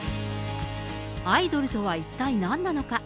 アイドルとは一体なんなのか。